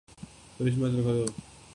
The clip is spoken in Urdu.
فرش پر مت تھوکو